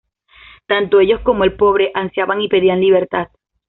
Tanto ellos como el pobre ansiaban y pedían libertad.